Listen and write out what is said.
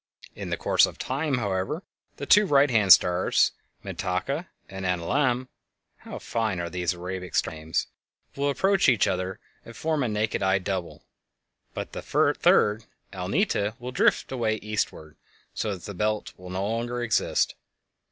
In the course of time, however, the two right hand stars, Mintaka and Alnilam (how fine are these Arabic star names!) will approach each other and form a naked eye double, but the third, Alnita, will drift away eastward, so that the "Belt" will no longer exist.